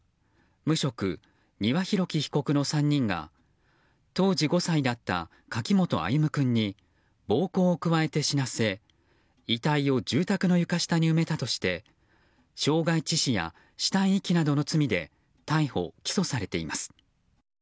無職、丹羽洋樹被告の３人が当時５歳だった柿本歩夢君に暴行を加えて死なせ遺体を住宅の床下に埋めたとして傷害致死や死体遺棄の罪で逮捕・起訴されています。